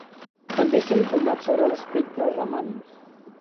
També s'ha informat sobre l'espectre Raman.